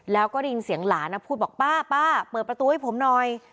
แล้วก็ได้ยินเสียงหลานพูดบอกป้าป้าเปิดประตูให้ผมหน่อย